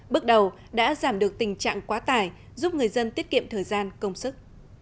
bước đầu đã giảm được tình trạng quá tải giúp người dân tiết kiệm thời gian công sức